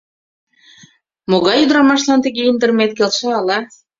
— Могай ӱдырамашлан тыге индырымет келша ала...